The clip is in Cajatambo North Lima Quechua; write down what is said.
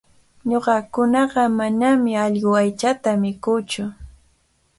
Ñuqakunaqa manami allqu aychata mikuutsu.